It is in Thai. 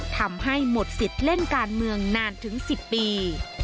ทำให้หมดสิทธิ์เล่นการเมืองนานถึง๑๐ปี